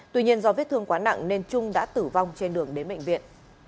tuy nhiên do vết thương quá nặng nên trung đã tử vong trên đường đến bệnh viện